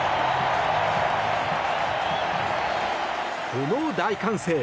この大歓声。